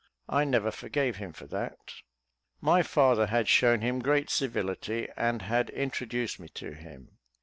I never forgave him for that. My father had shown him great civility, and had introduced me to him.